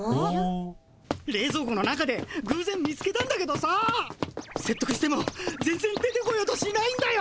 れいぞう庫の中でぐうぜん見つけたんだけどさせっとくしても全ぜん出てこようとしないんだよ。